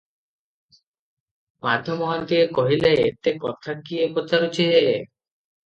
ମାଧ ମହାନ୍ତିଏ କହିଲେ, ଏତେ କଥା କିଏ ପଚାରୁଛି ହେ?